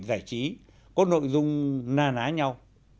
giải trí có nội dung na ná nhau